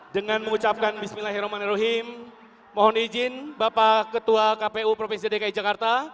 dengan mengucapkan bismillahirrahmanirrahim mohon izin bapak ketua kpu provinsi dki jakarta